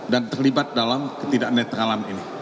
dan terlibat dalam ketidak netralan ini